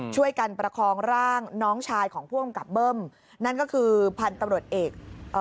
ประคองร่างน้องชายของผู้กำกับเบิ้มนั่นก็คือพันธุ์ตำรวจเอกเอ่อ